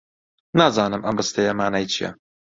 نازانم ئەم ڕستەیە مانای چییە.